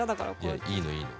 いやいいのいいの。